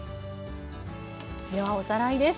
ではおさらいです。